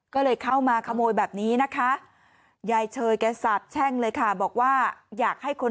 ก็เลยเข้ามาขโมยแบบนี้นะคะยายเชยแกสาบแช่งเลยค่ะ